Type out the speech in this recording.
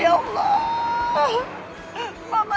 aku tidak pernah benci bapak